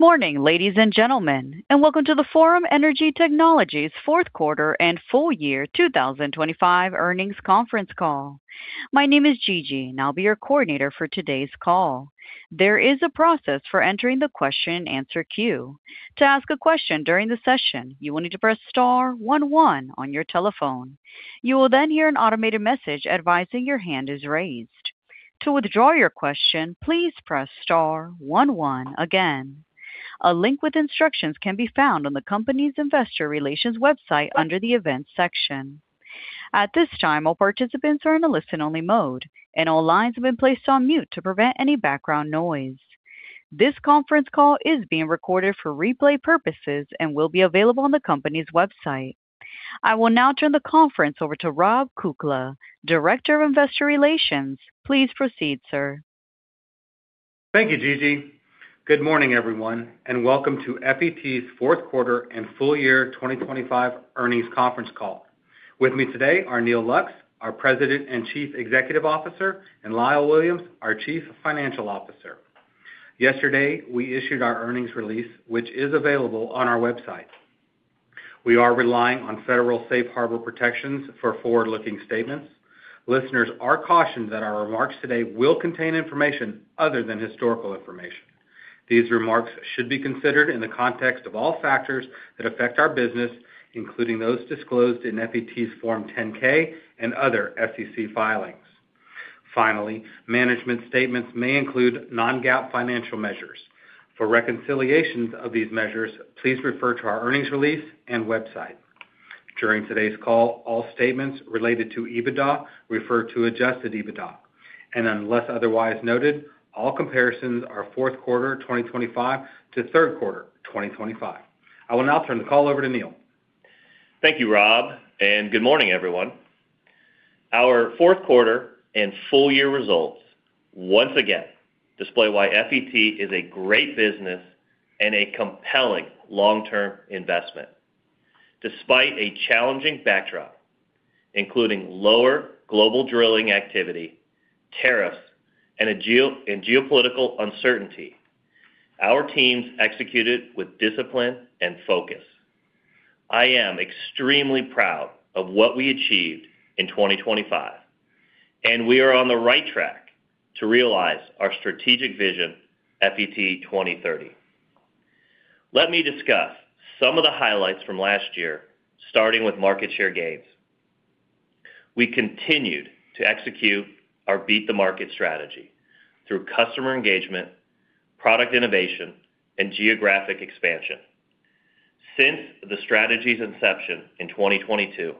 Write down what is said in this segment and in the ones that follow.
Morning, ladies and gentlemen, and welcome to the Forum Energy Technologies' Fourth Quarter and Full Year 2025 Earnings Conference Call. My name is Gigi, and I'll be your coordinator for today's call. There is a process for entering the question-and-answer queue. To ask a question during the session, you will need to press star one one on your telephone. You will then hear an automated message advising your hand is raised. To withdraw your question, please press star one one again. A link with instructions can be found on the company's investor relations website under the Events section. At this time, all participants are in a listen-only mode, and all lines have been placed on mute to prevent any background noise. This conference call is being recorded for replay purposes and will be available on the company's website. I will now turn the conference over to Rob Kukla, Director of Investor Relations. Please proceed, sir. Thank you, Gigi. Good morning, everyone, and welcome to FET's Fourth Quarter and Full Year 2025 Earnings Conference Call. With me today are Neal Lux, our President and Chief Executive Officer, and Lyle Williams, our Chief Financial Officer. Yesterday, we issued our earnings release, which is available on our website. We are relying on federal safe harbor protections for forward-looking statements. Listeners are cautioned that our remarks today will contain information other than historical information. These remarks should be considered in the context of all factors that affect our business, including those disclosed in FET's Form 10-K and other SEC filings. Finally, management statements may include non-GAAP financial measures. For reconciliations of these measures, please refer to our earnings release and website. During today's call, all statements related to EBITDA refer to Adjusted EBITDA, and unless otherwise noted, all comparisons are fourth quarter 2025 to third quarter 2025. I will now turn the call over to Neal. Thank you, Rob, and good morning, everyone. Our fourth quarter and full year results once again display why FET is a great business and a compelling long-term investment. Despite a challenging backdrop, including lower global drilling activity, tariffs, and geopolitical uncertainty, our teams executed with discipline and focus. I am extremely proud of what we achieved in 2025, and we are on the right track to realize our strategic vision, FET 2030. Let me discuss some of the highlights from last year, starting with market share gains. We continued to execute our Beat the Market strategy through customer engagement, product innovation, and geographic expansion. Since the strategy's inception in 2022,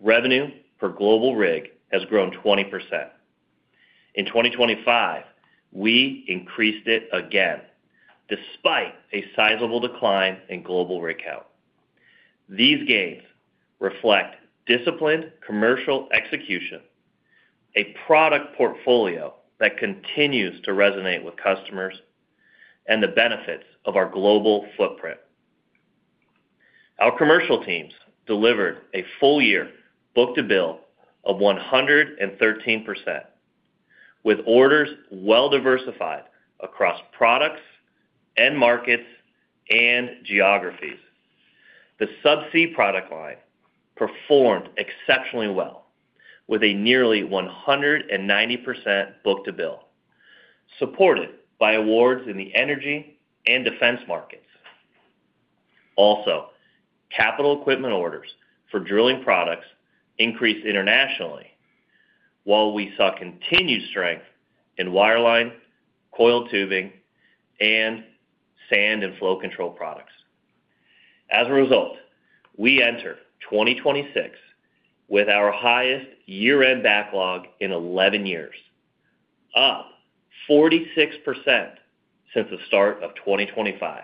revenue per global rig has grown 20%. In 2025, we increased it again, despite a sizable decline in global rig count. These gains reflect disciplined commercial execution, a product portfolio that continues to resonate with customers, and the benefits of our global footprint. Our commercial teams delivered a full year book-to-bill of 113%, with orders well diversified across products and markets and geographies. The Subsea product line performed exceptionally well, with a nearly 190% book-to-bill, supported by awards in the energy and defense markets. Also, capital equipment orders for drilling products increased internationally, while we saw continued strength in wireline, coiled tubing, and sand and flow control products. As a result, we enter 2026 with our highest year-end backlog in 11 years, up 46% since the start of 2025,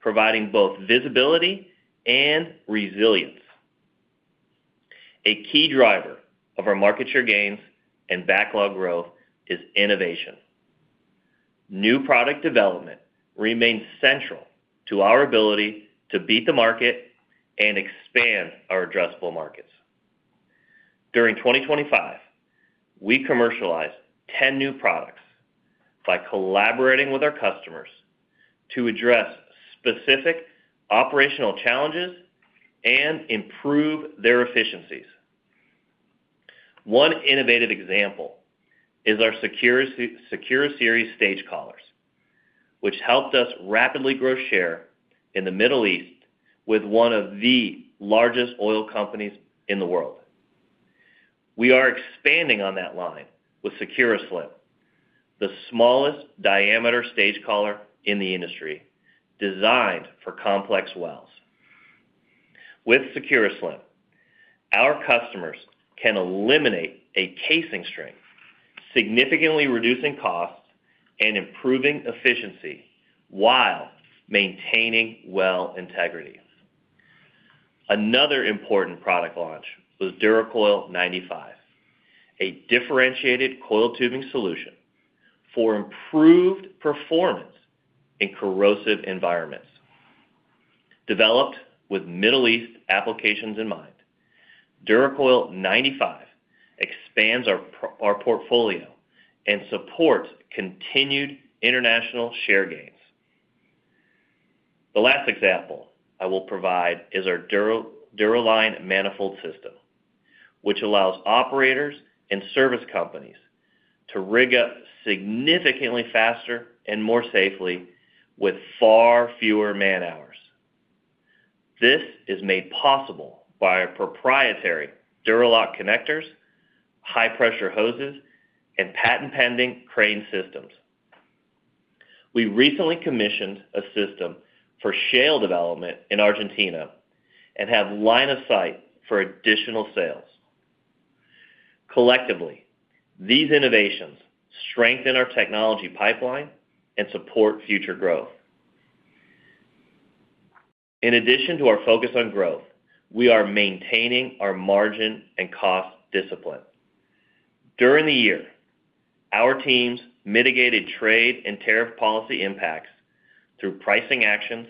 providing both visibility and resilience. A key driver of our market share gains and backlog growth is innovation. New product development remains central to our ability to beat the market and expand our addressable markets. During 2025, we commercialized 10 new products by collaborating with our customers to address specific operational challenges and improve their efficiencies. One innovative example is our Secura Series stage collars, which helped us rapidly grow share in the Middle East with one of the largest oil companies in the world. We are expanding on that line with Secura Slim, the smallest diameter stage collar in the industry, designed for complex wells. With Secura Slim, our customers can eliminate a casing string, significantly reducing costs and improving efficiency while maintaining well integrity. Another important product launch was DURACOIL 95, a differentiated coiled tubing solution for improved performance in corrosive environments. Developed with Middle East applications in mind, DURACOIL 95 expands our our portfolio and supports continued international share gains. The last example I will provide is our DuraLine manifold system, which allows operators and service companies to rig up significantly faster and more safely with far fewer man-hours. This is made possible by our proprietary DuraLock connectors, high pressure hoses, and patent-pending crane systems. We recently commissioned a system for shale development in Argentina and have line of sight for additional sales. Collectively, these innovations strengthen our technology pipeline and support future growth. In addition to our focus on growth, we are maintaining our margin and cost discipline. During the year, our teams mitigated trade and tariff policy impacts through pricing actions,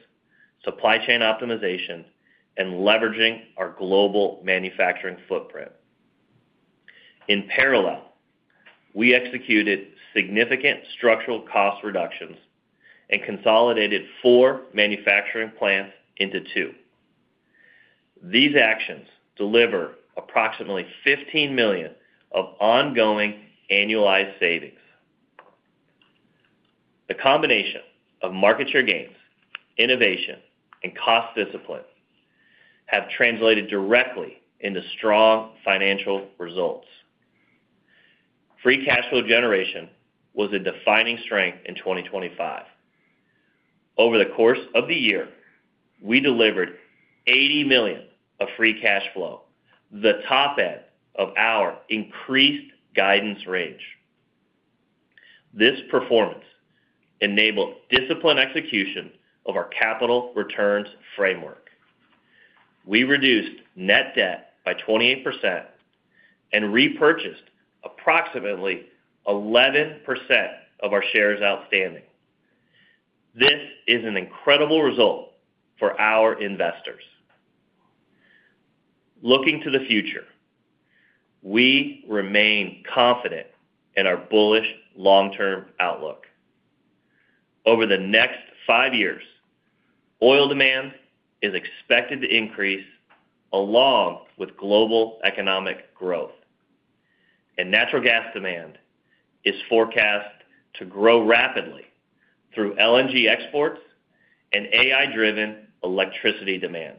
supply chain optimization, and leveraging our global manufacturing footprint. In parallel, we executed significant structural cost reductions and consolidated four manufacturing plants into two. These actions deliver approximately $15 million of ongoing annualized savings. The combination of market share gains, innovation, and cost discipline have translated directly into strong financial results. Free Cash Flow generation was a defining strength in 2025. Over the course of the year, we delivered $80 million of Free Cash Flow, the top end of our increased guidance range. This performance enabled disciplined execution of our capital returns framework. We reduced net debt by 28% and repurchased approximately 11% of our shares outstanding. This is an incredible result for our investors. Looking to the future, we remain confident in our bullish long-term outlook. Over the next five years, oil demand is expected to increase, along with global economic growth, and natural gas demand is forecast to grow rapidly through LNG exports and AI-driven electricity demand.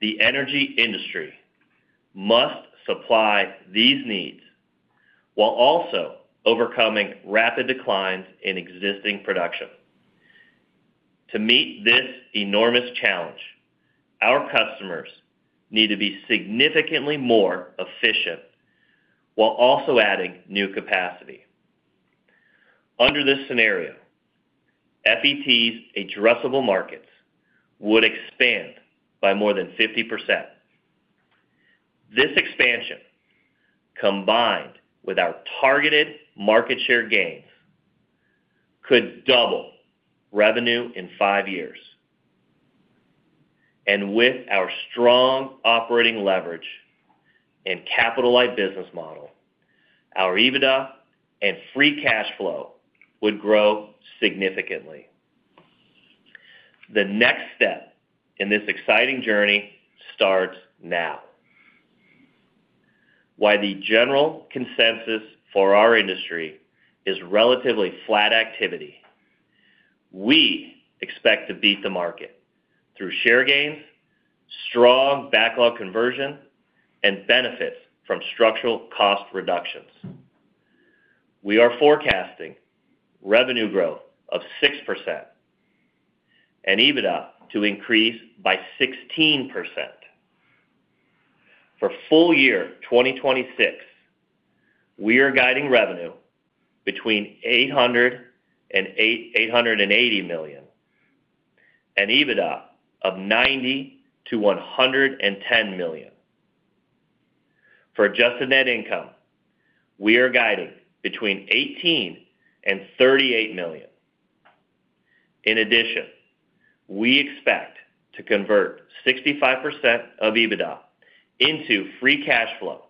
The energy industry must supply these needs while also overcoming rapid declines in existing production. To meet this enormous challenge, our customers need to be significantly more efficient while also adding new capacity. Under this scenario, FET's addressable markets would expand by more than 50%. This expansion, combined with our targeted market share gains, could double revenue in 5 years. And with our strong operating leverage and capital-light business model, our EBITDA and Free Cash Flow would grow significantly. The next step in this exciting journey starts now. While the general consensus for our industry is relatively flat activity, we expect to beat the market through share gains, strong backlog conversion, and benefits from structural cost reductions. We are forecasting revenue growth of 6% and EBITDA to increase by 16%. For full year 2026, we are guiding revenue between $800 million and $880 million, and EBITDA of $90 million-$110 million. For Adjusted net income, we are guiding between $18 million and $38 million. In addition, we expect to convert 65% of EBITDA into Free Cash Flow,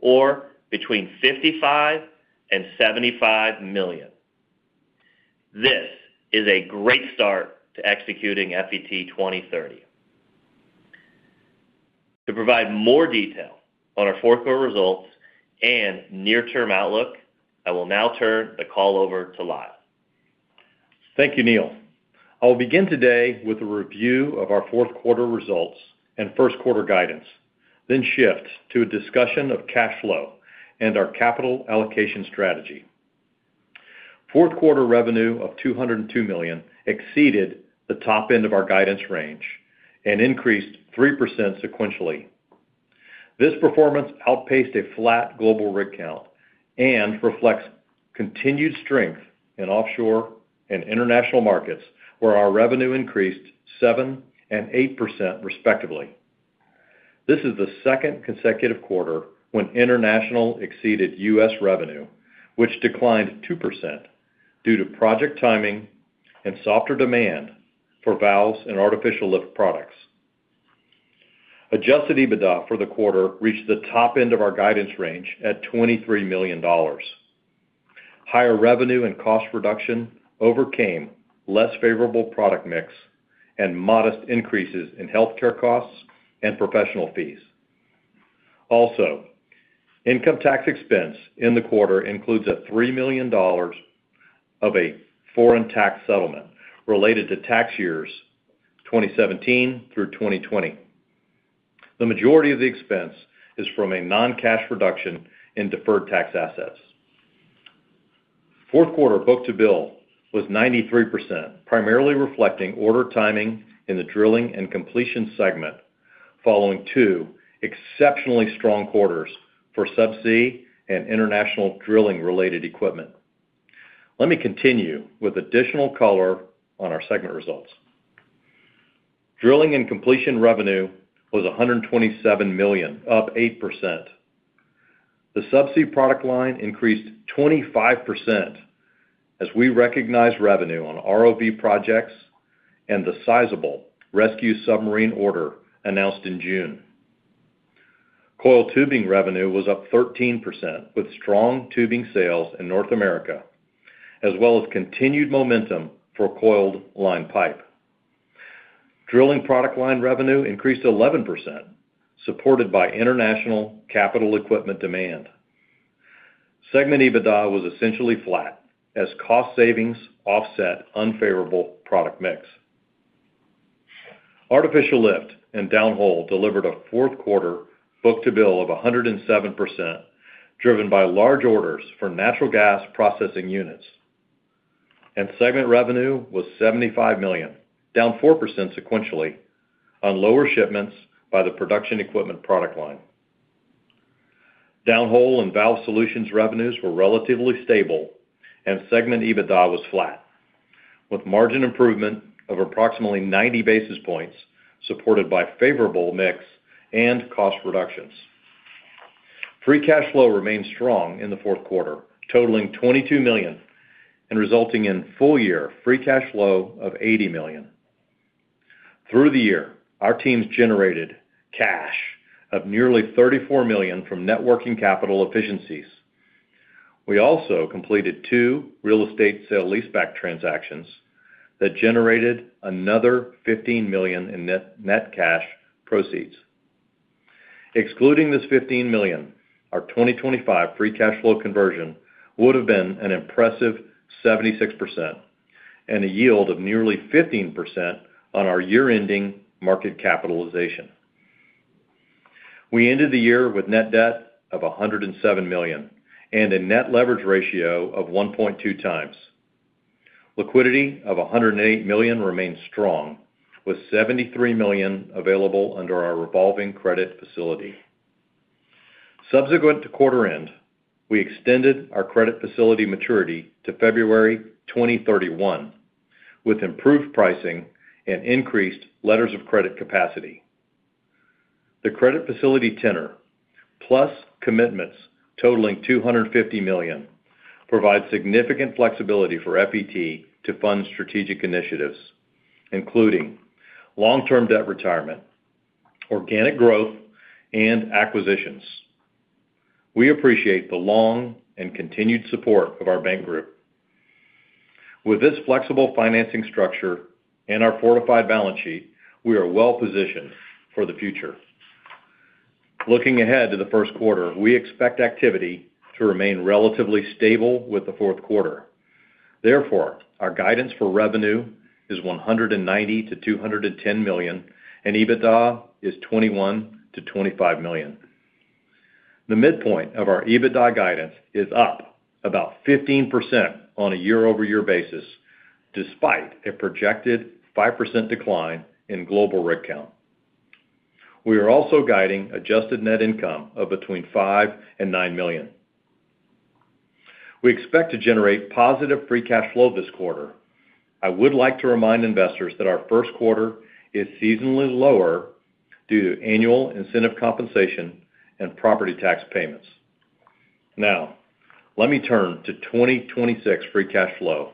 or between $55 million and $75 million. This is a great start to executing FET 2030. To provide more detail on our fourth quarter results and near-term outlook, I will now turn the call over to Lyle. Thank you, Neal. I'll begin today with a review of our fourth quarter results and first quarter guidance, then shift to a discussion of cash flow and our capital allocation strategy. Fourth quarter revenue of $202 million exceeded the top end of our guidance range and increased 3% sequentially. This performance outpaced a flat global rig count and reflects continued strength in offshore and international markets, where our revenue increased 7% and 8%, respectively. This is the second consecutive quarter when international exceeded U.S. revenue, which declined 2% due to project timing and softer demand for valves and artificial lift products. Adjusted EBITDA for the quarter reached the top end of our guidance range at $23 million. Higher revenue and cost reduction overcame less favorable product mix and modest increases in healthcare costs and professional fees. Also, income tax expense in the quarter includes $3 million of a foreign tax settlement related to tax years 2017 through 2020. The majority of the expense is from a non-cash reduction in deferred tax assets. Fourth quarter book-to-bill was 93%, primarily reflecting order timing in the drilling and completion segment, following two exceptionally strong quarters for Subsea and international drilling-related equipment. Let me continue with additional color on our segment results. Drilling and completion revenue was $127 million, up 8%. The Subsea product line increased 25% as we recognized revenue on ROV projects and the sizable rescue submarine order announced in June. Coiled tubing revenue was up 13%, with strong tubing sales in North America, as well as continued momentum for coiled line pipe. Drilling product line revenue increased 11%, supported by international capital equipment demand. Segment EBITDA was essentially flat as cost savings offset unfavorable product mix. Artificial Lift and Downhole delivered a fourth quarter book-to-bill of 107%, driven by large orders for natural gas processing units, and segment revenue was $75 million, down 4% sequentially, on lower shipments by the production equipment product line. Downhole and valve solutions revenues were relatively stable, and segment EBITDA was flat, with margin improvement of approximately 90 basis points, supported by favorable mix and cost reductions. Free Cash Flow remained strong in the fourth quarter, totaling $22 million and resulting in full-year Free Cash Flow of $80 million. Through the year, our teams generated cash of nearly $34 million from net working capital efficiencies. We also completed two real estate sale-leaseback transactions that generated another $15 million in net cash proceeds. Excluding this $15 million, our 2025 Free Cash Flow conversion would have been an impressive 76% and a yield of nearly 15% on our year-ending market capitalization. We ended the year with net debt of $107 million and a net leverage ratio of 1.2x. Liquidity of $108 million remains strong, with $73 million available under our revolving credit facility. Subsequent to quarter end, we extended our credit facility maturity to February 2031, with improved pricing and increased letters of credit capacity. The credit facility tenor, plus commitments totaling $250 million, provide significant flexibility for FET to fund strategic initiatives, including long-term debt retirement, organic growth, and acquisitions. We appreciate the long and continued support of our bank group. With this flexible financing structure and our fortified balance sheet, we are well positioned for the future. Looking ahead to the first quarter, we expect activity to remain relatively stable with the fourth quarter. Therefore, our guidance for revenue is $190 million-$210 million, and EBITDA is $21 million-$25 million. The midpoint of our EBITDA guidance is up about 15% on a year-over-year basis, despite a projected 5% decline in global rig count. We are also guiding Adjusted net income of between $5 million and $9 million. We expect to generate positive Free Cash Flow this quarter. I would like to remind investors that our first quarter is seasonally lower due to annual incentive compensation and property tax payments. Now, let me turn to 2026 Free Cash Flow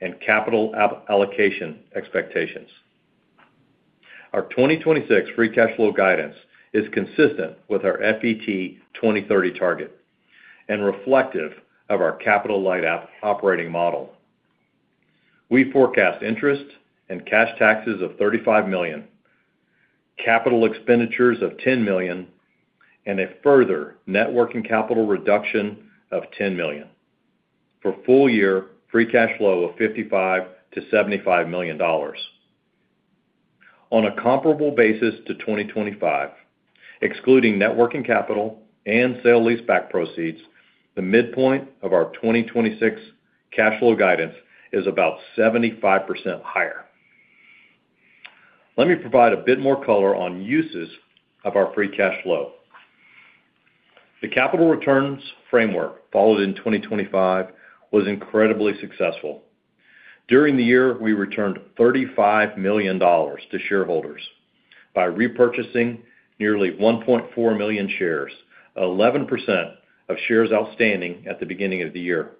and capital allocation expectations. Our 2026 Free Cash Flow guidance is consistent with our FET 2030 target and reflective of our capital-light operating model. We forecast interest and cash taxes of $35 million, capital expenditures of $10 million, and a further net working capital reduction of $10 million, for full-year Free Cash Flow of $55 million-$75 million. On a comparable basis to 2025, excluding net working capital and sale-leaseback proceeds, the midpoint of our 2026 cash flow guidance is about 75% higher. Let me provide a bit more color on uses of our Free Cash Flow. The capital returns framework followed in 2025 was incredibly successful. During the year, we returned $35 million to shareholders by repurchasing nearly 1.4 million shares, 11% of shares outstanding at the beginning of the year.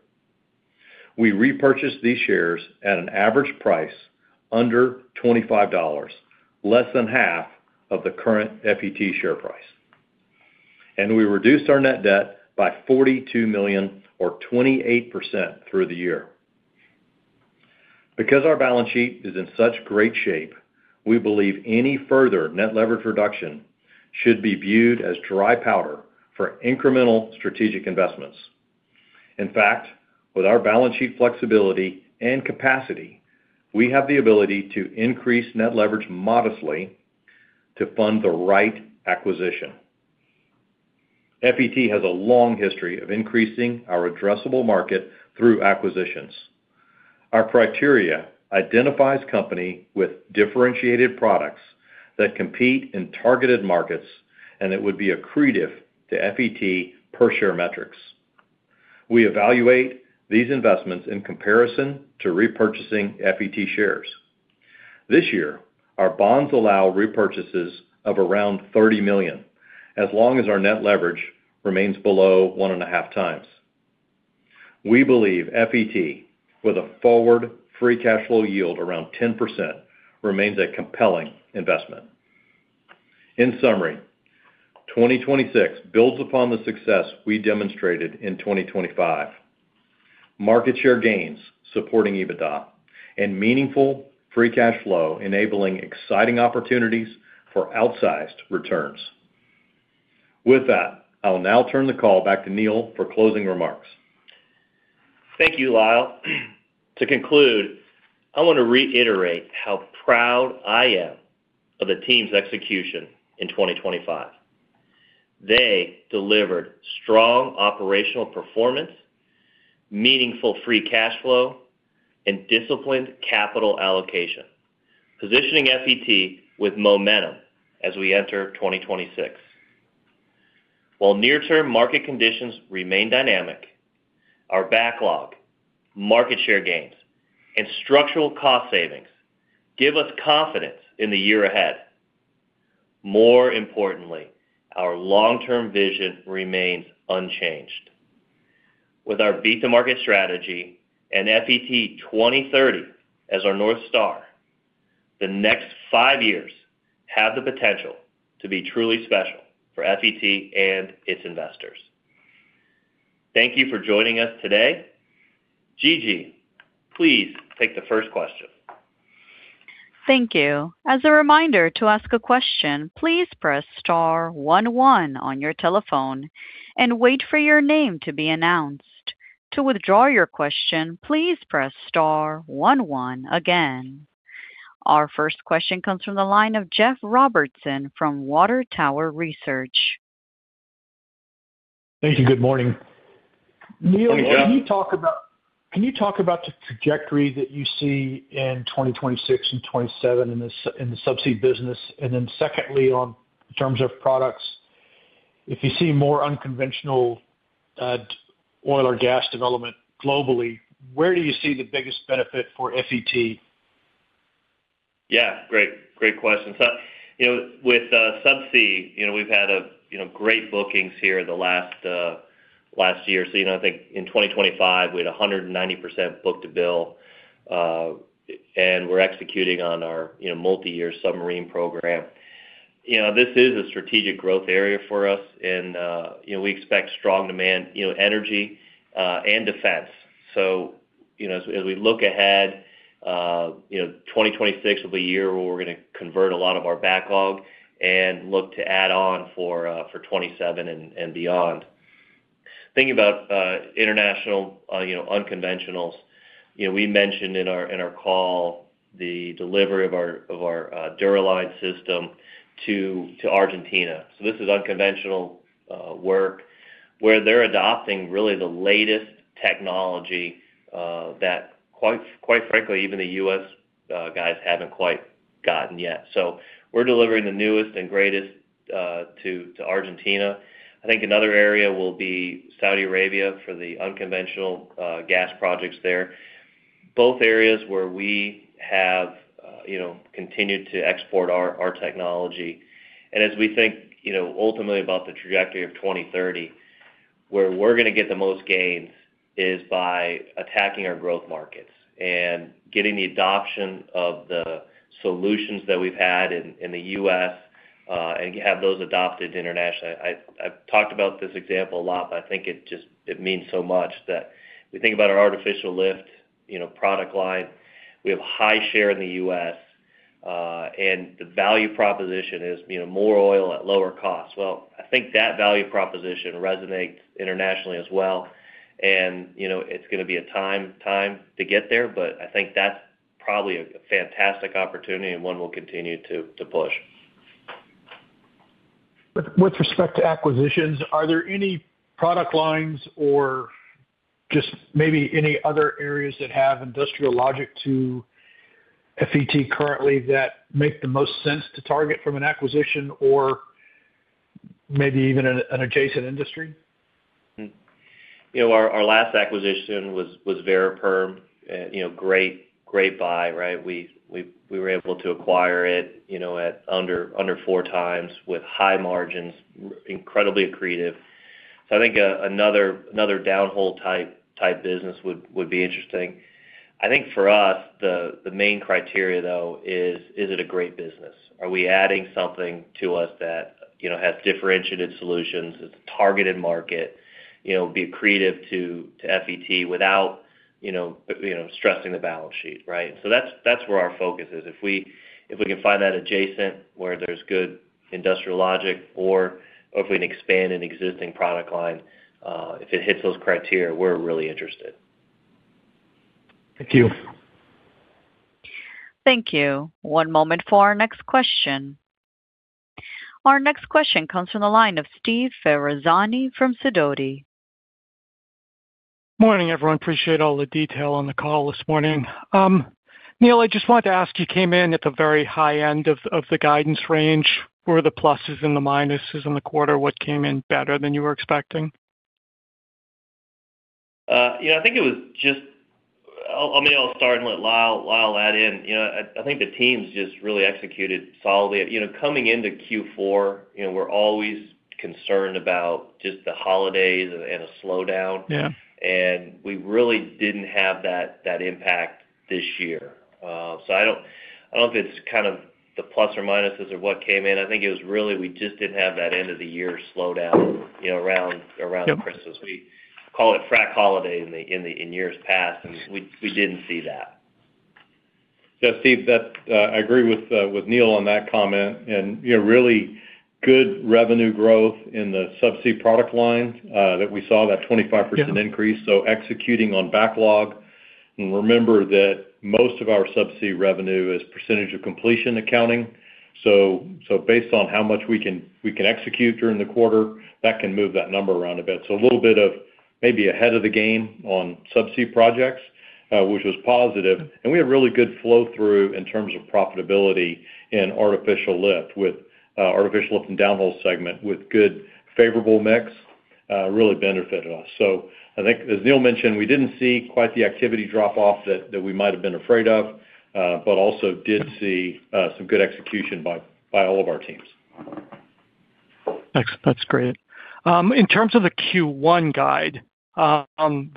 We repurchased these shares at an average price under $25, less than half of the current FET share price. We reduced our net debt by $42 million or 28% through the year. Because our balance sheet is in such great shape, we believe any further net leverage reduction should be viewed as dry powder for incremental strategic investments. In fact, with our balance sheet flexibility and capacity, we have the ability to increase net leverage modestly to fund the right acquisition. FET has a long history of increasing our addressable market through acquisitions. Our criteria identifies company with differentiated products that compete in targeted markets, and it would be accretive to FET per share metrics. We evaluate these investments in comparison to repurchasing FET shares. This year, our bonds allow repurchases of around $30 million, as long as our net leverage remains below 1.5x. We believe FET, with a forward Free Cash Flow yield around 10%, remains a compelling investment. In summary, 2026 builds upon the success we demonstrated in 2025. Market share gains supporting EBITDA and meaningful Free Cash Flow, enabling exciting opportunities for outsized returns. With that, I'll now turn the call back to Neal for closing remarks. Thank you, Lyle. To conclude, I want to reiterate how proud I am of the team's execution in 2025. They delivered strong operational performance, meaningful Free Cash Flow, and disciplined capital allocation, positioning FET with momentum as we enter 2026. While near-term market conditions remain dynamic, our backlog, market share gains, and structural cost savings give us confidence in the year ahead. More importantly, our long-term vision remains unchanged. With our Beat the Market strategy and FET 2030 as our North Star, the next five years have the potential to be truly special for FET and its investors. Thank you for joining us today. Gigi, please take the first question. Thank you. As a reminder to ask a question, please press star one one on your telephone and wait for your name to be announced. To withdraw your question, please press star one one again. Our first question comes from the line of Jeff Robertson from Water Tower Research. Thank you. Good morning. Good morning, Jeff. Neal, can you talk about the trajectory that you see in 2026 and 2027 in the Subsea business? And then secondly, in terms of products, if you see more unconventional oil or gas development globally, where do you see the biggest benefit for FET? Yeah, great. Great question. So, you know, with Subsea, you know, we've had a great bookings here the last year. So, you know, I think in 2025, we had a 190% book-to-bill, and we're executing on our multi-year submarine program. You know, this is a strategic growth area for us, and we expect strong demand, you know, energy and defense. So, you know, as we look ahead, you know, 2026 will be a year where we're going to convert a lot of our backlog and look to add on for 2027 and beyond. Thinking about international unconventionals, you know, we mentioned in our call the delivery of our DuraLine system to Argentina. So this is unconventional, work, where they're adopting really the latest technology, that quite, quite frankly, even the U.S., guys haven't quite gotten yet. So we're delivering the newest and greatest, to, to Argentina. I think another area will be Saudi Arabia for the unconventional, gas projects there. Both areas where we have, you know, continued to export our, our technology. And as we think, you know, ultimately about the trajectory of 2030, where we're gonna get the most gains is by attacking our growth markets and getting the adoption of the solutions that we've had in, in the U.S., and have those adopted internationally. I've, I've talked about this example a lot, but I think it just, it means so much that we think about our Artificial Lift, you know, product line. We have high share in the U.S., and the value proposition is, you know, more oil at lower cost. Well, I think that value proposition resonates internationally as well. And, you know, it's gonna be a time to get there, but I think that's probably a fantastic opportunity and one we'll continue to push. With respect to acquisitions, are there any product lines or... just maybe any other areas that have industrial logic to FET currently that make the most sense to target from an acquisition or maybe even an adjacent industry? You know, our last acquisition was Variperm, and, you know, great buy, right? We were able to acquire it, you know, at under 4x with high margins, incredibly accretive. So I think another downhole type business would be interesting. I think for us, the main criteria, though, is, is it a great business? Are we adding something to us that, you know, has differentiated solutions, it's a targeted market, you know, be accretive to FET without, you know, stressing the balance sheet, right? So that's where our focus is. If we can find that adjacent, where there's good industrial logic, or if we can expand an existing product line, if it hits those criteria, we're really interested. Thank you. Thank you. One moment for our next question. Our next question comes from the line of Steve Ferazani from Sidoti. Morning, everyone. Appreciate all the detail on the call this morning. Neal, I just wanted to ask, you came in at the very high end of the guidance range. Where were the pluses and the minuses in the quarter? What came in better than you were expecting? Yeah, I think it was just-- I, maybe I'll start and let Lyle, Lyle add in. You know, I, I think the teams just really executed solidly. You know, coming into Q4, you know, we're always concerned about just the holidays and, and a slowdown. Yeah. We really didn't have that, that impact this year. So I don't, I don't know if it's kind of the plus or minuses of what came in. I think it was really we just didn't have that end of the year slowdown, you know, around, around Christmas. We call it frac holiday in the, in years past, and we, we didn't see that. Yeah, Steve, that, I agree with, with Neal on that comment. You know, really good revenue growth in the Subsea product line, that we saw, that 25%- Yeah... increase, so executing on backlog. And remember that most of our Subsea revenue is percentage of completion accounting. So based on how much we can execute during the quarter, that can move that number around a bit. So a little bit of maybe ahead of the game on Subsea projects, which was positive. And we had really good flow-through in terms of profitability in artificial lift with Artificial Lift and Downhole segment, with good favorable mix, really benefited us. So I think, as Neal mentioned, we didn't see quite the activity drop off that we might have been afraid of, but also did see some good execution by all of our teams. Ex- that's great. In terms of the Q1 guide,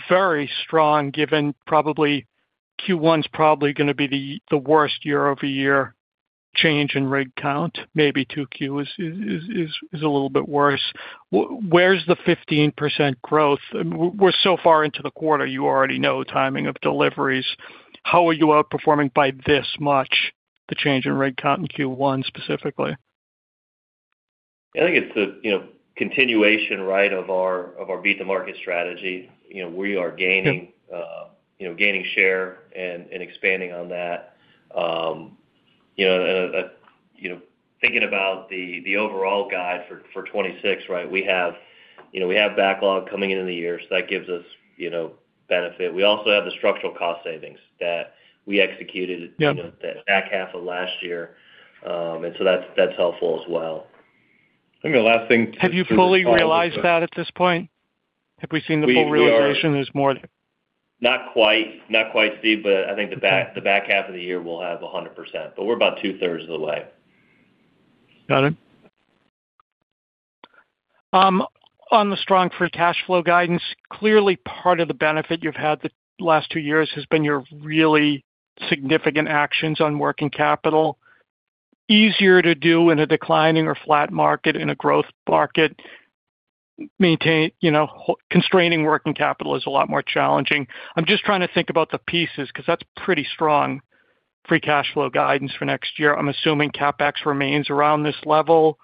very strong, given probably Q1's probably gonna be the worst year-over-year change in rig count, maybe two Qs is a little bit worse. Where's the 15% growth? We're so far into the quarter, you already know the timing of deliveries. How are you outperforming by this much, the change in rig count in Q1, specifically? I think it's a, you know, continuation, right, of our Beat the Market strategy. You know, we are gaining, you know, gaining share and expanding on that. You know, thinking about the overall guide for 2026, right? We have backlog coming into the year, so that gives us, you know, benefit. We also have the structural cost savings that we executed the back half of last year. And so that's, that's helpful as well. I think the last thing to- Have you fully realized that at this point? Have we seen the full realization- We are- There's more? Not quite. Not quite, Steve, but I think the back, the back half of the year, we'll have 100%, but we're about 2/3 of the way. Got it. On the strong Free Cash Flow guidance, clearly part of the benefit you've had the last two years has been your really significant actions on working capital. Easier to do in a declining or flat market. In a growth market, maintain, you know, how constraining working capital is a lot more challenging. I'm just trying to think about the pieces, because that's pretty strong Free Cash Flow guidance for next year. I'm assuming CapEx remains around this level.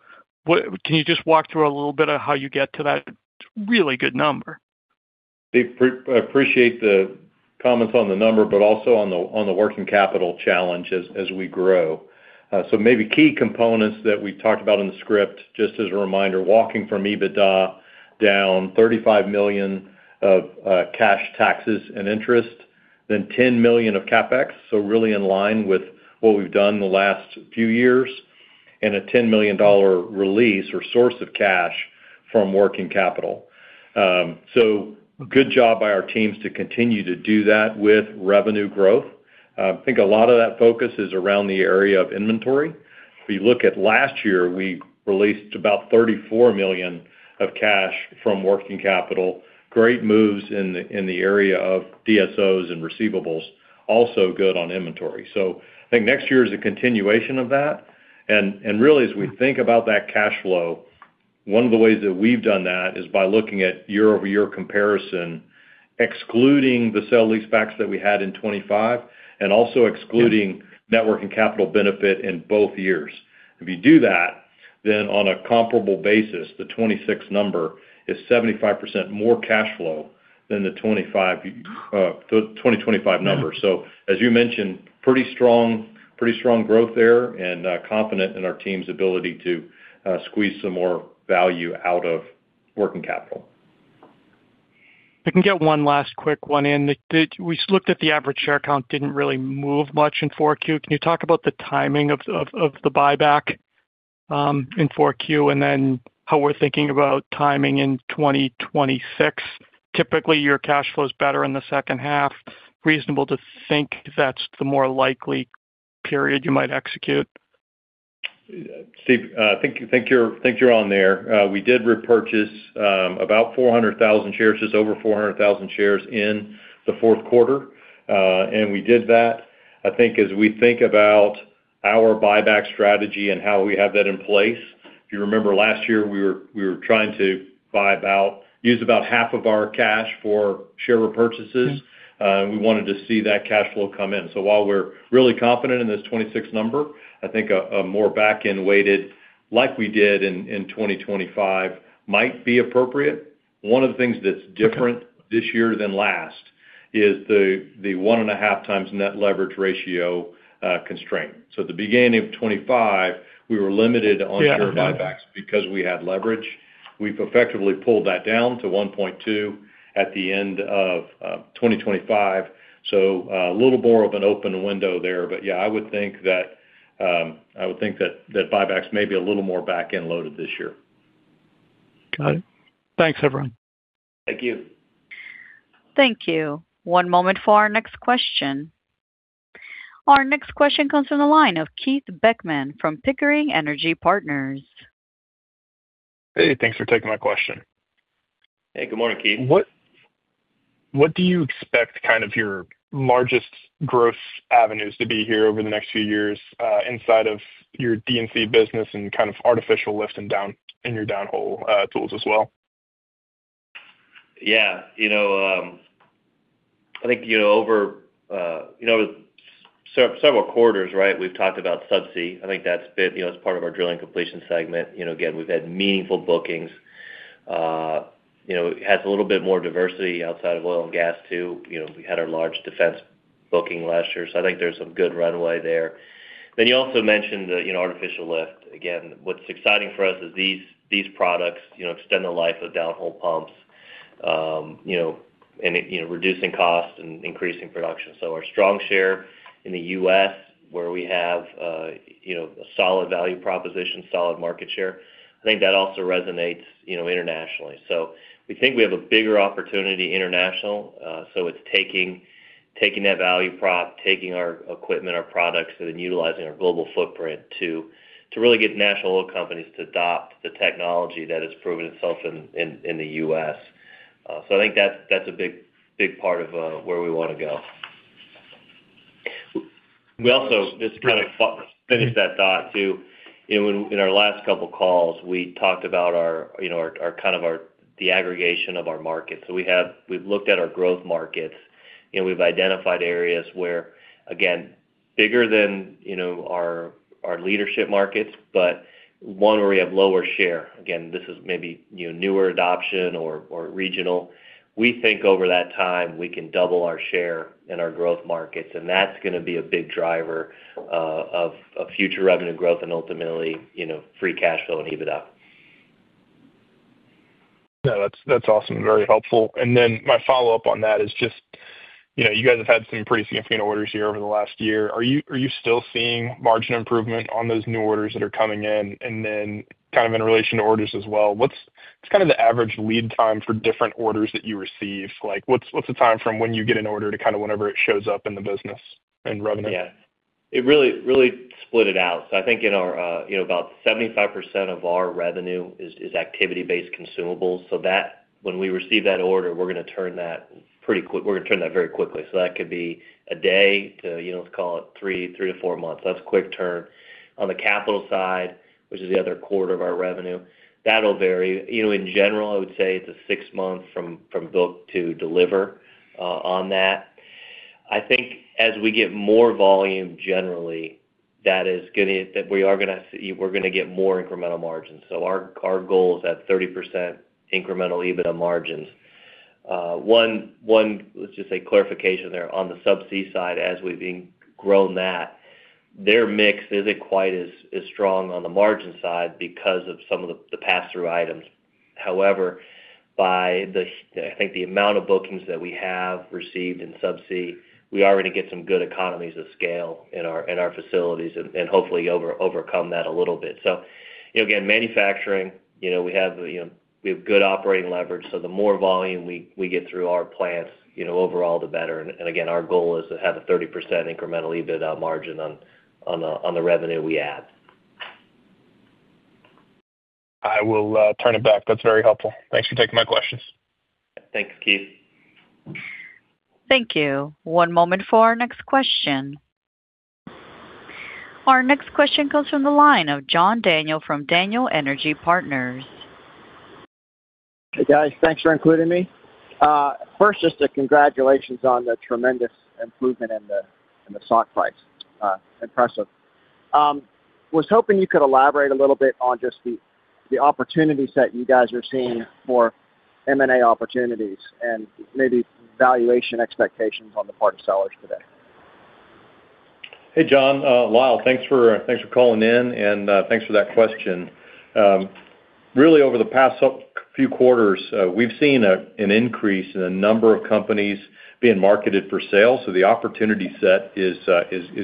What can you just walk through a little bit of how you get to that really good number? Steve, appreciate the comments on the number, but also on the working capital challenge as we grow. So maybe key components that we talked about in the script, just as a reminder, walking from EBITDA down $35 million of cash, taxes, and interest, then $10 million of CapEx, so really in line with what we've done the last few years, and a $10 million release or source of cash from working capital. So good job by our teams to continue to do that with revenue growth. I think a lot of that focus is around the area of inventory. If you look at last year, we released about $34 million of cash from working capital. Great moves in the area of DSOs and receivables, also good on inventory. So I think next year is a continuation of that. Really, as we think about that cash flow, one of the ways that we've done that is by looking at year-over-year comparison, excluding the sale-leasebacks that we had in 2025, and also excluding network and capital benefit in both years. If you do that, then on a comparable basis, the 26 number is 75% more cash flow than the 25, the 2025 number. Yeah. So, as you mentioned, pretty strong, pretty strong growth there, and confident in our team's ability to squeeze some more value out of working capital. I can get one last quick one in. Then, we just looked at the average share count, didn't really move much in 4Q. Can you talk about the timing of the buyback in 4Q, and then how we're thinking about timing in 2026? Typically, your cash flow is better in the second half. Reasonable to think that's the more likely period you might execute? Steve, I think you're on there. We did repurchase about 400,000 shares, just over 400,000 shares in the fourth quarter. And we did that, I think, as we think about our buyback strategy and how we have that in place. If you remember last year, we were trying to buy about—use about half of our cash for share repurchases. We wanted to see that cash flow come in. So while we're really confident in this 26 number, I think a more back-end weighted, like we did in 2025, might be appropriate. One of the things that's different this year than last is the 1.5x net leverage ratio constraint. So at the beginning of 2025, we were limited on share buybacks because we had leverage. We've effectively pulled that down to 1.2x at the end of 2025, so, a little more of an open window there. But, yeah, I would think that buybacks may be a little more back-end loaded this year. Got it. Thanks, everyone. Thank you. Thank you. One moment for our next question. Our next question comes from the line of Keith Beckmann from Pickering Energy Partners. Hey, thanks for taking my question. Hey, good morning, Keith. What, what do you expect kind of your largest growth avenues to be here over the next few years, inside of your DNC business and kind of artificial lift and down, in your downhole, tools as well? Yeah. You know, I think, you know, over several quarters, right, we've talked about Subsea. I think that's been, you know, as part of our drilling completion segment. You know, again, we've had meaningful bookings. You know, it has a little bit more diversity outside of oil and gas, too. You know, we had our large defense booking last year, so I think there's some good runway there. Then you also mentioned the, you know, artificial lift. Again, what's exciting for us is these, these products, you know, extend the life of downhole pumps, you know, and it, you know, reducing costs and increasing production. So our strong share in the U.S., where we have a, you know, a solid value proposition, solid market share, I think that also resonates, you know, internationally. So we think we have a bigger opportunity international. So it's taking that value prop, taking our equipment, our products, and then utilizing our global footprint to really get national oil companies to adopt the technology that has proven itself in the U.S. So I think that's a big part of where we want to go. We also- Just kind of finish that thought, too. In our last couple of calls, we talked about our, you know, our, kind of our, the aggregation of our markets. So we've looked at our growth markets, and we've identified areas where, again, bigger than, you know, our, our leadership markets, but one where we have lower share. Again, this is maybe, you know, newer adoption or regional. We think over that time, we can double our share in our growth markets, and that's gonna be a big driver of future revenue growth and ultimately, you know, Free Cash Flow and EBITDA. Yeah, that's, that's awesome. Very helpful. And then my follow-up on that is just, you know, you guys have had some pretty significant orders here over the last year. Are you, are you still seeing margin improvement on those new orders that are coming in? And then, kind of in relation to orders as well, what's, what's kind of the average lead time for different orders that you receive? Like, what's, what's the time from when you get an order to kind of whenever it shows up in the business and revenue? Yeah. It really, really split it out. So I think in our, you know, about 75% of our revenue is activity-based consumables. So that, when we receive that order, we're gonna turn that pretty quick, we're gonna turn that very quickly. So that could be a day to, you know, let's call it 3-4 months. That's quick turn. On the capital side, which is the other quarter of our revenue, that'll vary. You know, in general, I would say it's a 6-month from book to deliver on that. I think as we get more volume, generally, that is gonna, that we are gonna, we're gonna get more incremental margins. So our goal is at 30% incremental EBITDA margins. Let's just say, clarification there on the Subsea side, as we've grown that, their mix isn't quite as strong on the margin side because of some of the passthrough items. However, by the, I think, amount of bookings that we have received in Subsea, we already get some good economies of scale in our facilities and hopefully overcome that a little bit. So, you know, again, manufacturing, you know, we have, you know, we have good operating leverage, so the more volume we get through our plants, you know, overall, the better. And again, our goal is to have a 30% incremental EBITDA margin on the revenue we add. I will turn it back. That's very helpful. Thanks for taking my questions. Thanks, Keith. Thank you. One moment for our next question. Our next question comes from the line of John Daniel from Daniel Energy Partners. Hey, guys, thanks for including me. First, just a congratulations on the tremendous improvement in the stock price. Impressive. Was hoping you could elaborate a little bit on just the opportunities that you guys are seeing for M&A opportunities and maybe valuation expectations on the part of sellers today? Hey, John, Lyle, thanks for, thanks for calling in, and, thanks for that question. Really, over the past few quarters, we've seen an increase in the number of companies being marketed for sale. So the opportunity set is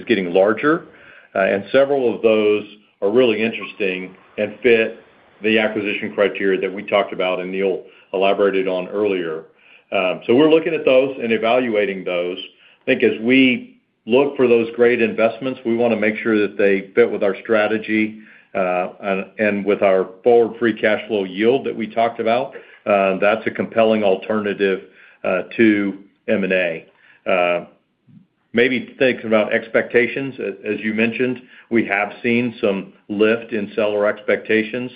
getting larger, and several of those are really interesting and fit the acquisition criteria that we talked about and Neal elaborated on earlier. So we're looking at those and evaluating those. I think as we look for those great investments, we want to make sure that they fit with our strategy, and with our forward Free Cash Flow yield that we talked about, that's a compelling alternative to M&A. Maybe think about expectations. As you mentioned, we have seen some lift in seller expectations.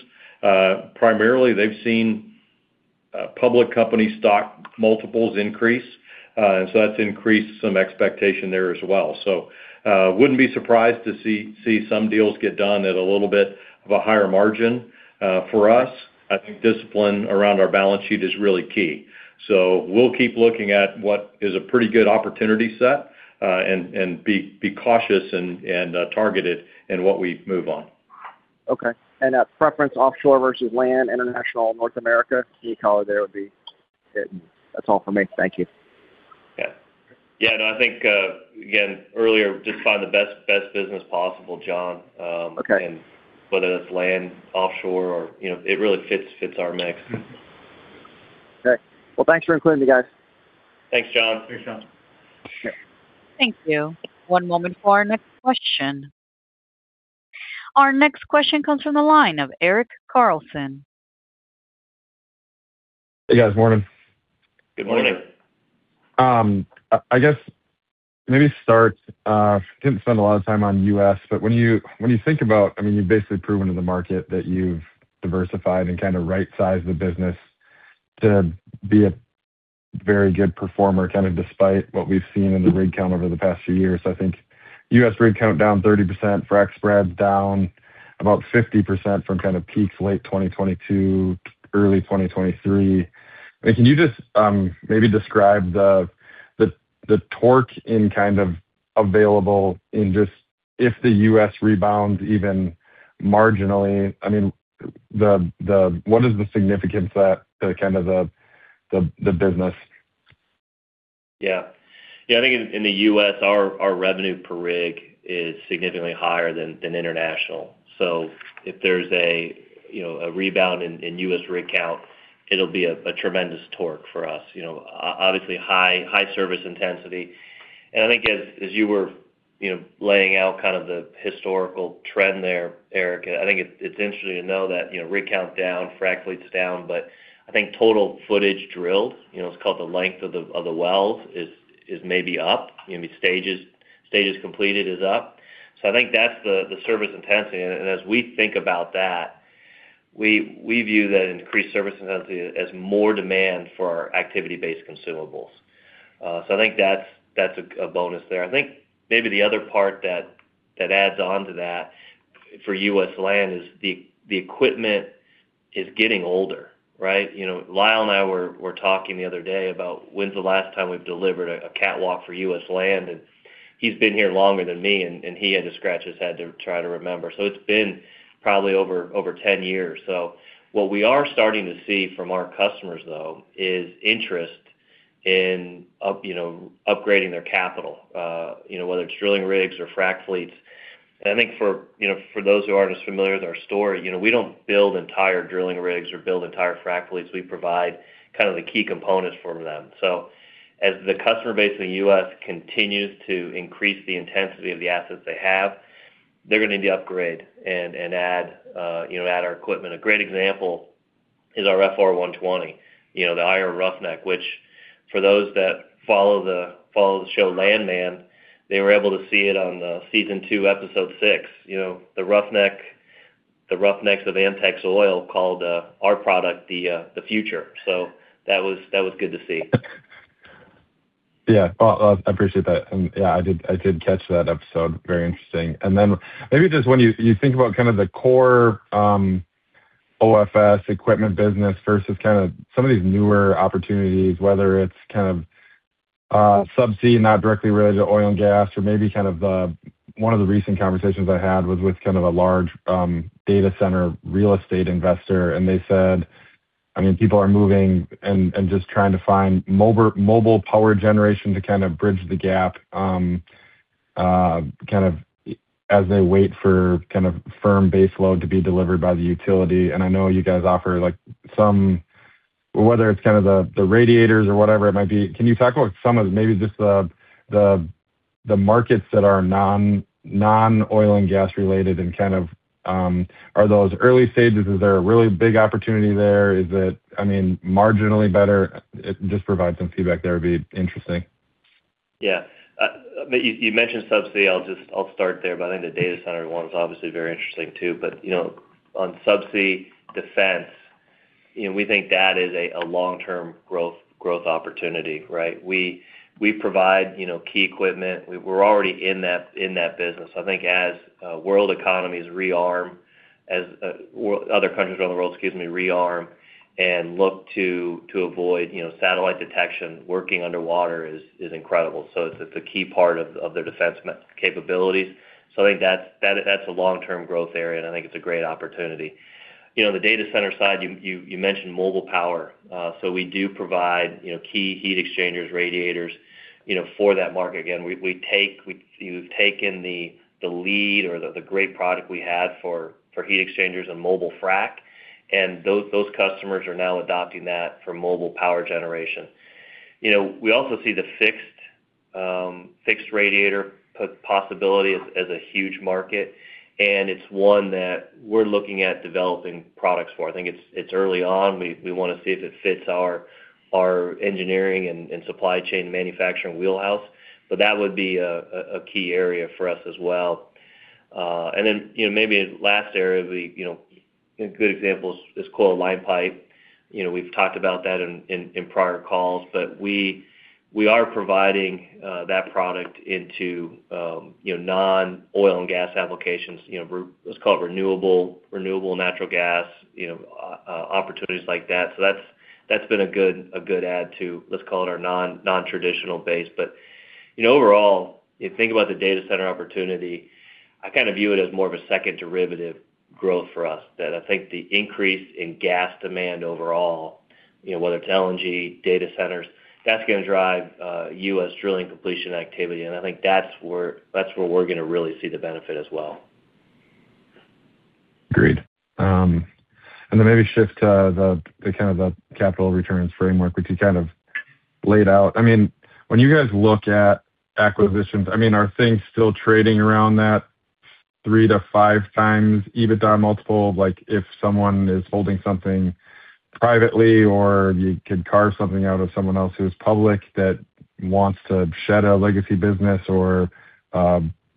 Primarily, they've seen public company stock multiples increase, and so that's increased some expectation there as well. So, wouldn't be surprised to see some deals get done at a little bit of a higher margin. For us, I think discipline around our balance sheet is really key. So we'll keep looking at what is a pretty good opportunity set, and be cautious and targeted in what we move on. Okay. And a preference offshore versus land, international, North America, any color there would be it. That's all for me. Thank you. Yeah. Yeah, and I think, again, earlier, just find the best, best business possible, John, Okay. Whether that's land, offshore, or, you know, it really fits our mix. Okay. Well, thanks for including me, guys. Thanks, John. Thanks, John. Thank you. One moment for our next question. Our next question comes from the line of Eric Carlson. Hey, guys. Morning. Good morning. Good morning. I guess maybe start didn't spend a lot of time on U.S., but when you think about, I mean, you've basically proven to the market that you've diversified and kind of right-sized the business to be a very good performer, kind of despite what we've seen in the rig count over the past few years. I think U.S. rig count down 30%, frac spreads down about 50% from kind of peaks late 2022 to early 2023. Can you just maybe describe the torque kind of available if the U.S. rebounds even marginally? I mean, what is the significance of that to kind of the business? Yeah. Yeah, I think in the U.S., our revenue per rig is significantly higher than international. So if there's a, you know, a rebound in U.S. rig count, it'll be a tremendous torque for us. You know, obviously, high service intensity. And I think as you were, you know, laying out kind of the historical trend there, Eric, I think it's interesting to know that, you know, rig count down, frac fleets down, but I think total footage drilled, you know, it's called the length of the wells, is maybe up, you know, stages completed is up. So I think that's the service intensity. And as we think about that, we view that increased service intensity as more demand for our activity-based consumables. So I think that's a bonus there. I think maybe the other part that adds on to that for U.S. land is the equipment is getting older, right? You know, Lyle and I were talking the other day about when's the last time we've delivered a catwalk for U.S. land, and he's been here longer than me, and he had to scratch his head to try to remember. So it's been probably over 10 years. So what we are starting to see from our customers, though, is interest in, you know, upgrading their capital, you know, whether it's drilling rigs or frac fleets. And I think for, you know, for those who aren't as familiar with our story, you know, we don't build entire drilling rigs or build entire frac fleets. We provide kind of the key components for them. So as the customer base in the U.S. continues to increase the intensity of the assets they have, they're gonna need to upgrade and add our equipment. A great example is our FR120, you know, the Iron Roughneck, which for those that follow the show Landman, they were able to see it on the Season 2, Episode 6. You know, the roughneck, the roughnecks of M-Tex Oil called our product the future. So that was good to see. Yeah. Well, I appreciate that. And, yeah, I did catch that episode. Very interesting. And then maybe just when you think about kind of the core OFS equipment business versus kind of some of these newer opportunities, whether it's kind of subsea, not directly related to oil and gas, or maybe kind of the, one of the recent conversations I had was with kind of a large data center real estate investor, and they said, I mean, people are moving and just trying to find mobile power generation to kind of bridge the gap, kind of as they wait for kind of firm base load to be delivered by the utility. And I know you guys offer, like, some, whether it's kind of the radiators or whatever it might be. Can you talk about some of maybe just the markets that are non-oil and gas-related and kind of are those early stages? Is there a really big opportunity there? Is it, I mean, marginally better? Just provide some feedback there would be interesting. Yeah. You mentioned Subsea. I'll start there, but I think the data center one is obviously very interesting, too. But, you know, on Subsea defense, you know, we think that is a long-term growth opportunity, right? We provide, you know, key equipment. We're already in that business. So I think as world economies rearm, as other countries around the world, excuse me, rearm and look to avoid, you know, satellite detection, working underwater is incredible. So it's a key part of their defense capabilities. So I think that's a long-term growth area, and I think it's a great opportunity. You know, the data center side, you mentioned mobile power. So we do provide, you know, key heat exchangers, radiators, you know, for that market. Again, we've taken the lead or the great product we had for heat exchangers and mobile frac, and those customers are now adopting that for mobile power generation. You know, we also see the fixed radiator possibility as a huge market, and it's one that we're looking at developing products for. I think it's early on. We wanna see if it fits our engineering and supply chain manufacturing wheelhouse, but that would be a key area for us as well. And then, you know, maybe last area, we, you know, a good example is coiled line pipe. You know, we've talked about that in prior calls, but we are providing that product into, you know, non-oil and gas applications. You know, let's call it renewable natural gas, you know, opportunities like that. So that's been a good add to, let's call it, our nontraditional base. But, you know, overall, you think about the data center opportunity, I kind of view it as more of a second derivative growth for us. That I think the increase in gas demand overall, you know, whether it's LNG, data centers, that's gonna drive U.S. drilling completion activity, and I think that's where we're gonna really see the benefit as well. Agreed. And then maybe shift to the kind of the capital returns framework, which you kind of laid out. I mean, when you guys look at acquisitions, I mean, are things still trading around that 3-5x EBITDA multiple? Like, if someone is holding something privately, or you could carve something out of someone else who's public that wants to shed a legacy business, or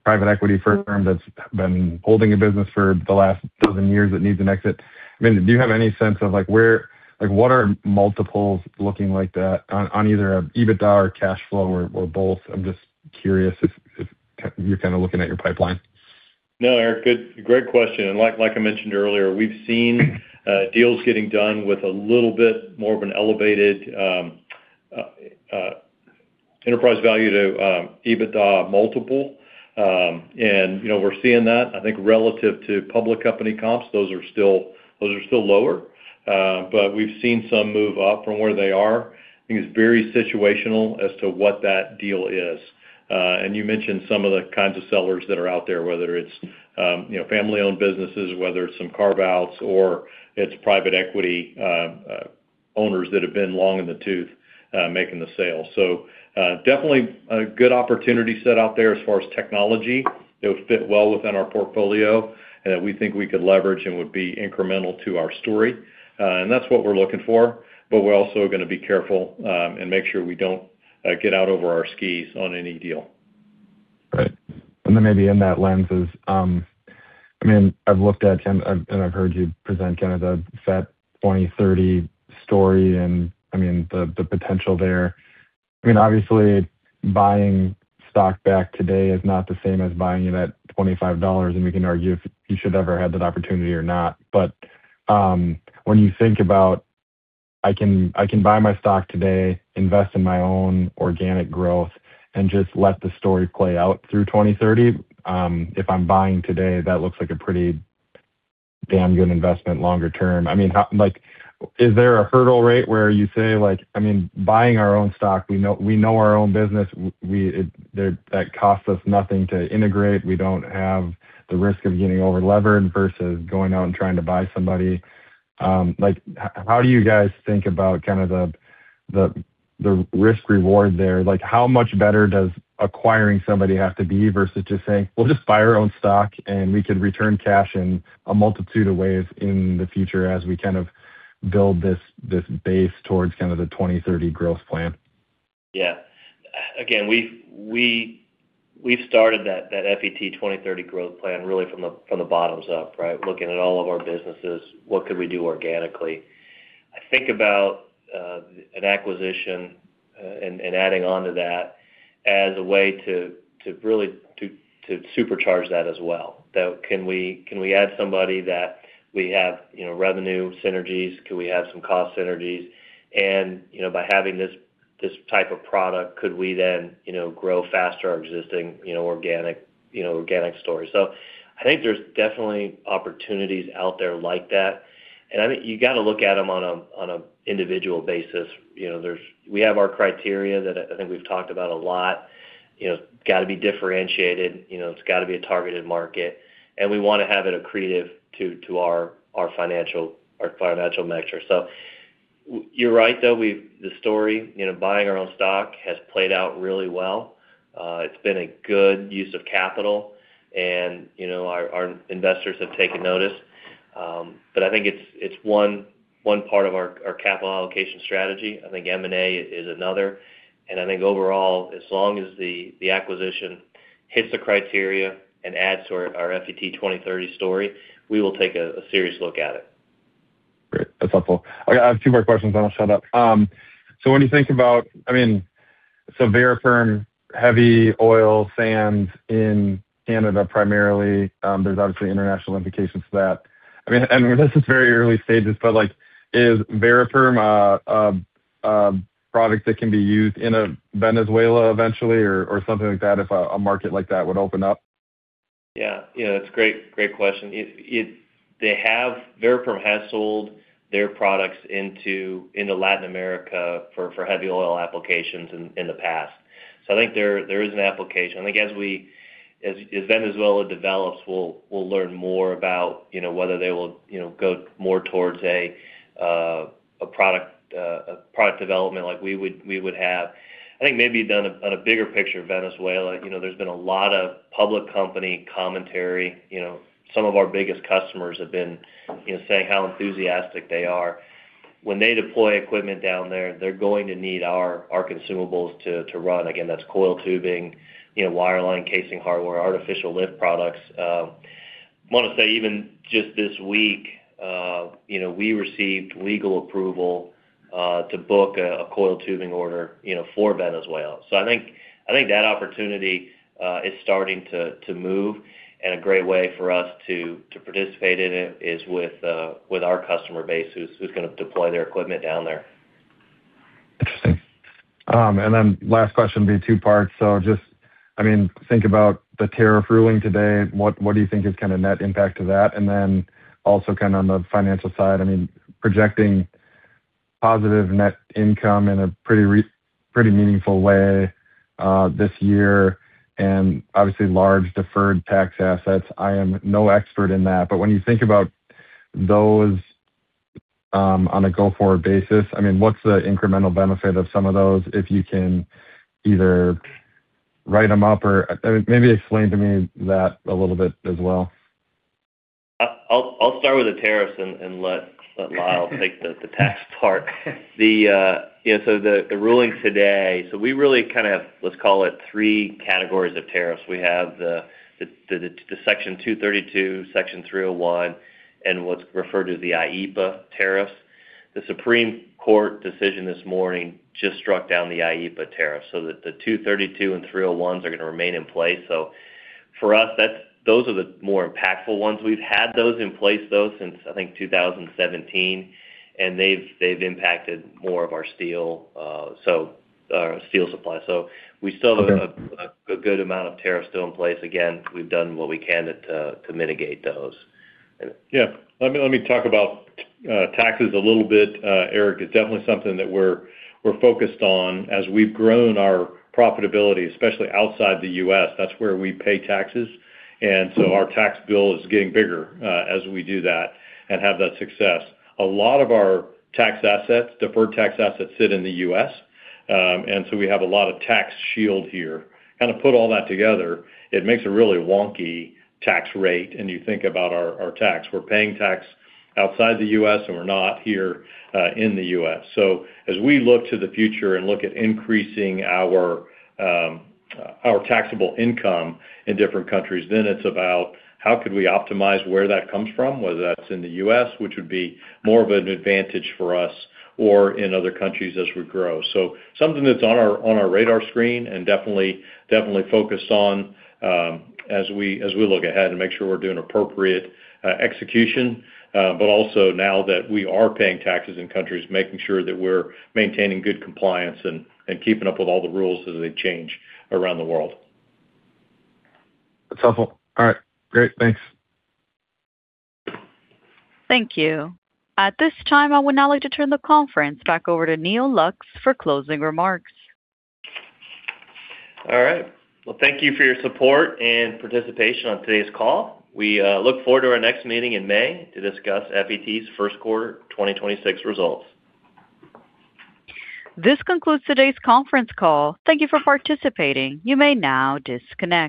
private equity firm that's been holding a business for the last dozen years that needs an exit. I mean, do you have any sense of, like, where... Like, what are multiples looking like that on, on either a EBITDA or cash flow or, or both? I'm just curious if, if you're kind of looking at your pipeline. No, Eric, good, great question, and like I mentioned earlier, we've seen deals getting done with a little bit more of an elevated enterprise value to EBITDA multiple. And, you know, we're seeing that. I think relative to public company comps, those are still lower, but we've seen some move up from where they are. I think it's very situational as to what that deal is. And you mentioned some of the kinds of sellers that are out there, whether it's, you know, family-owned businesses, whether it's some carve-outs, or it's private equity owners that have been long in the tooth making the sale. So, definitely a good opportunity set out there as far as technology. It would fit well within our portfolio, and that we think we could leverage and would be incremental to our story. And that's what we're looking for, but we're also gonna be careful, and make sure we don't get out over our skis on any deal. Right. Then maybe in that lens is, I mean, I've looked at, and I've heard you present kind of the FET 2030 story, and, I mean, the potential there. I mean, obviously, buying stock back today is not the same as buying it at $25, and we can argue if you should ever have that opportunity or not. But when you think about, I can buy my stock today, invest in my own organic growth, and just let the story play out through 2030, if I'm buying today, that looks like a pretty damn good investment longer term. I mean, how... Like, is there a hurdle rate where you say, like, I mean, buying our own stock, we know, we know our own business, that costs us nothing to integrate. We don't have the risk of getting overlevered versus going out and trying to buy somebody. Like, how do you guys think about kind of the risk reward there? Like, how much better does acquiring somebody have to be versus just saying, "We'll just buy our own stock, and we could return cash in a multitude of ways in the future as we kind of build this base towards kind of the 2030 growth plan? Yeah. Again, we've started that FET 2030 growth plan really from the bottoms up, right? Looking at all of our businesses, what could we do organically? I think about an acquisition and adding on to that as a way to really supercharge that as well. Though, can we add somebody that we have, you know, revenue synergies? Can we have some cost synergies? And, you know, by having this type of product, could we then, you know, grow faster our existing, you know, organic story? So I think there's definitely opportunities out there like that, and I think you gotta look at them on an individual basis. You know, there's we have our criteria that I think we've talked about a lot. You know, gotta be differentiated, you know, it's gotta be a targeted market, and we wanna have it accretive to our financial metrics. So you're right, though, we've the story, you know, buying our own stock has played out really well. It's been a good use of capital, and you know, our investors have taken notice. But I think it's one part of our capital allocation strategy. I think M&A is another, and I think overall, as long as the acquisition hits the criteria and adds to our FET 2030 story, we will take a serious look at it. Great. That's helpful. I have two more questions, then I'll shut up. So when you think about... I mean, so Variperm, heavy oil sands in Canada, primarily. There's obviously international implications to that. I mean, and this is very early stages, but, like, is Variperm, products that can be used in, Venezuela eventually or, or something like that, if a, a market like that would open up? Yeah. Yeah, that's great, great question. Variperm has sold their products into Latin America for heavy oil applications in the past. So I think there is an application. I think as Venezuela develops, we'll learn more about, you know, whether they will, you know, go more towards a product development like we would have. I think maybe on a bigger picture of Venezuela, you know, there's been a lot of public company commentary. You know, some of our biggest customers have been, you know, saying how enthusiastic they are. When they deploy equipment down there, they're going to need our consumables to run. Again, that's coil tubing, you know, wireline casing hardware, artificial lift products. I wanna say, even just this week, you know, we received legal approval to book a coiled tubing order, you know, for Venezuela. So I think, I think that opportunity is starting to move, and a great way for us to participate in it is with our customer base, who's gonna deploy their equipment down there. Interesting. Then last question will be two parts. Just, I mean, think about the tariff ruling today. What do you think is kinda net impact of that? And then also, kinda on the financial side, I mean, projecting positive net income in a pretty meaningful way this year, and obviously, large deferred tax assets. I am no expert in that, but when you think about those, on a go-forward basis, I mean, what's the incremental benefit of some of those? If you can either write them up or, I mean, maybe explain to me that a little bit as well. I'll start with the tariffs and let Lyle take the tax part. The ruling today... So we really kind of, let's call it, three categories of tariffs. We have the Section 232, Section 301, and what's referred to the IEEPA tariffs. The Supreme Court decision this morning just struck down the IEEPA tariffs, so the 232 and 301s are gonna remain in place. So for us, that's, those are the more impactful ones. We've had those in place, though, since, I think, 2017, and they've impacted more of our steel, so our steel supply. So we still have a good amount of tariffs still in place. Again, we've done what we can to mitigate those. Yeah. Let me, let me talk about taxes a little bit, Eric. It's definitely something that we're, we're focused on. As we've grown our profitability, especially outside the U.S., that's where we pay taxes, and so our tax bill is getting bigger as we do that and have that success. A lot of our tax assets, deferred tax assets, sit in the U.S., and so we have a lot of tax shield here. Kinda put all that together, it makes a really wonky tax rate, and you think about our, our tax. We're paying tax outside the U.S., and we're not here in the U.S. So as we look to the future and look at increasing our taxable income in different countries, then it's about how could we optimize where that comes from, whether that's in the U.S., which would be more of an advantage for us or in other countries as we grow. So something that's on our radar screen and definitely focused on as we look ahead and make sure we're doing appropriate execution, but also now that we are paying taxes in countries, making sure that we're maintaining good compliance and keeping up with all the rules as they change around the world. That's helpful. All right. Great. Thanks. Thank you. At this time, I would now like to turn the conference back over to Neal Lux for closing remarks. All right. Well, thank you for your support and participation on today's call. We look forward to our next meeting in May to discuss FET's first quarter 2026 results. This concludes today's conference call. Thank you for participating. You may now disconnect.